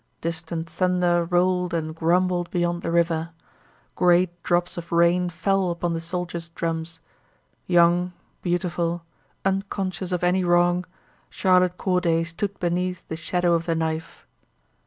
Distant thunder rolled and grumbled beyond the river. Great drops of rain fell upon the soldiers' drums. Young, beautiful, unconscious of any wrong, Charlotte Corday stood beneath the shadow of the knife.